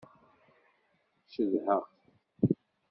Cedhaɣ-t.